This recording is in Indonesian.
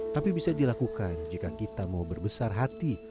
tapi bisa dilakukan jika kita mau berbesar hati